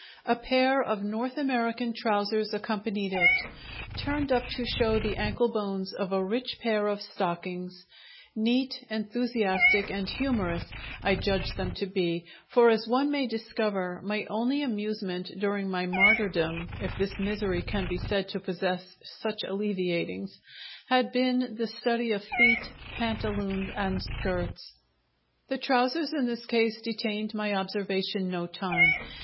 A pair of North American trousers accompanied it, turned up to show the ankle bones of a rich pair of stockings; neat, enthusiastic and humorous, I judged them to be; for, as one may discover, my only amusement during my martyrdom if this misery can be said to possess such alleviatings had been the study of feet, pantaloons, and skirts. The trousers in this case detained my observation no time.